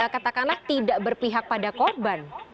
katakanlah tidak berpihak pada korban